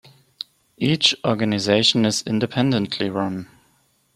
Each organisation is independently run.